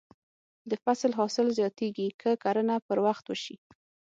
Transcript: د فصل حاصل زیاتېږي که کرنه پر وخت وشي.